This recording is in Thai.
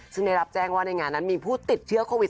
ซึ่งได้รับแจ้งว่าในงานนั้นมีผู้ติดเชื้อโควิด